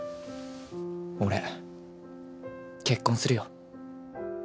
俺結婚するよ。